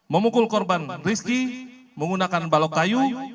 memukul korban rizky menggunakan balok kayu